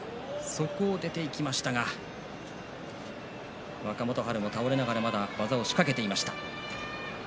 そこを出ていきましたが若元春も倒れながら技を仕掛けていました。